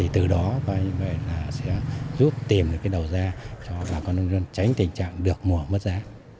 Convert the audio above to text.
từ đó sẽ giúp tìm được đầu gia cho bà con nông dân tránh tình trạng được mùa mất giá